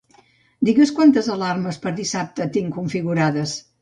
Digues quantes alarmes per dissabte tinc configurades.